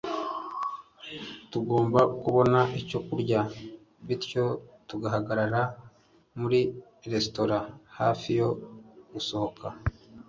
Tugomba kubona icyo kurya bityo duhagarara muri resitora hafi yo gusohoka.